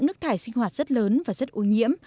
nước thải sinh hoạt rất lớn và rất ô nhiễm